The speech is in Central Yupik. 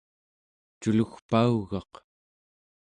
culugpaugaq